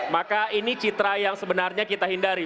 maka ini citra yang sebenarnya kita hindari